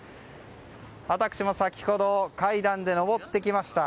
私も先ほど階段で上ってきました。